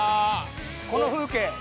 この風景。